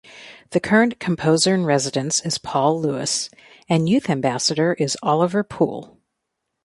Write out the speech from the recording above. The current composer in residence is Paul Lewis and youth ambassador is Oliver Poole.